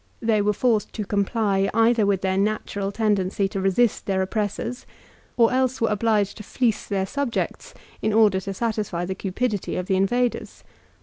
They were forced to comply either with their natural tendency to resist their oppressors, or else were obliged to fleece their subjects in order to satisfy the cupidity of the invaders.